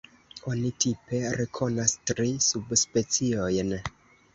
Oni tipe rekonas tri subspeciojn.